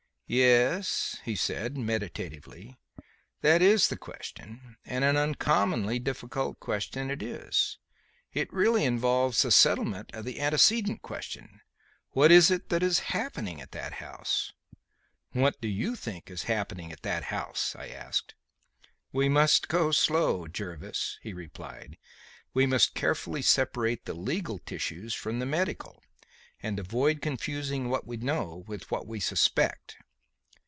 "Yes," he said, meditatively, "that is the question; and an uncommonly difficult question it is. It really involves the settlement of the antecedent question: What is it that is happening at that house?" "What do you think is happening at that house?" I asked. "We must go slow, Jervis," he replied. "We must carefully separate the legal tissues from the medical, and avoid confusing what we know with what we suspect.